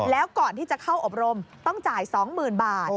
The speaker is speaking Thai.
แล้วก่อนที่จะเข้าอบรมต้องจ่าย๒๐๐๐บาท